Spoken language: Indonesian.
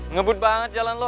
ngebut banget jalan lo